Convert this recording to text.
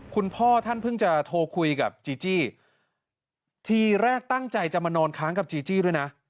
คุณพ่อท่านเพิ่งจะโทรคุยกับจีจี้ทีแรกตั้งใจจะมานอนค้างกับจีจี้ด้วยนะ